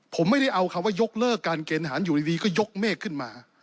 ผมไม่ได้เอาคำว่ายกเลิกการเกณฑ์ทหารอยู่ดีก็ยกเมฆขึ้นมา